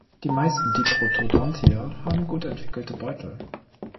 Die meisten Diprotodontia haben gut entwickelte Beutel.